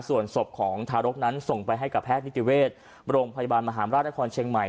ส่วนศพของทารกนั้นส่งไปให้กับแพทย์นิติเวชโรงพยาบาลมหาราชนครเชียงใหม่